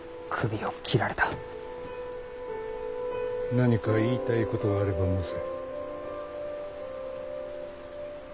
何か言いたいことがあれば申せ。